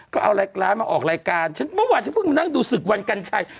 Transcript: ก็เอารายการมาออกรายการฉันเมื่อวานฉันเพิ่งมานั่งดูศึกวันกัญชัย